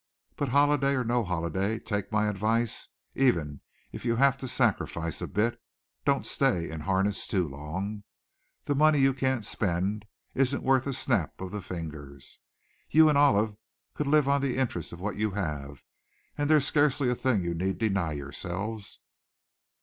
"But holiday or no holiday, take my advice, and even if you have to sacrifice a bit, don't stay in harness too long. The money you can't spend isn't worth a snap of the fingers. You and Olive could live on the interest of what you have, and there's scarcely a thing you need deny yourselves."